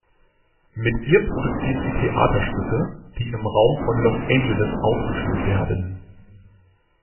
Mit ihr produziert sie Theaterstücke, die im Raum von Los Angeles aufgeführt werden.